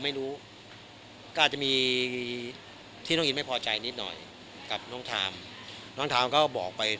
ไม่รู้ก็อาจจะมีที่น้องอินไม่พอใจนิดหน่อยกับน้องทามน้องทามก็บอกไป